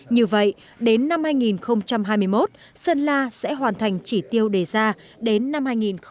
như vậy đến năm hai nghìn hai mươi một sơn la sẽ hoàn thành chỉ tiêu đề ra đến năm hai nghìn ba mươi